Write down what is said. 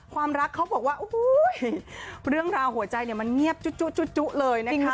ความรักเขาบอกว่าเรื่องราวหัวใจเนี่ยมันเงียบจุ๊เลยนะคะ